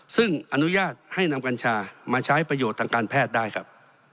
ซึ่งอนุญาตให้นำกัญชามาใช้ประโยชน์ทางการแพทย์ได้ครับ